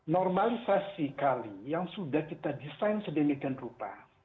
normalisasi kali yang sudah kita desain sedemikian rupa